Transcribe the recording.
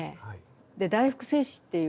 で「大福製紙」っていう。